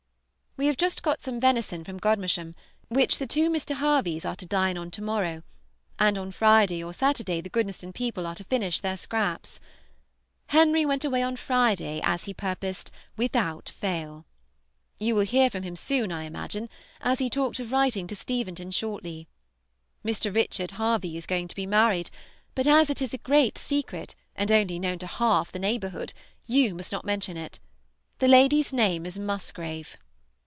We have just got some venison from Godmersham, which the two Mr. Harveys are to dine on to morrow, and on Friday or Saturday the Goodnestone people are to finish their scraps. Henry went away on Friday, as he purposed, without fayl. You will hear from him soon, I imagine, as he talked of writing to Steventon shortly. Mr. Richard Harvey is going to be married; but as it is a great secret, and only known to half the neighborhood, you must not mention it. The lady's name is Musgrave.